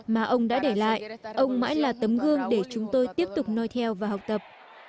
mà ông đã để lại ông mãi là tấm gương để chúng tôi tiếp tục noi theo và học tập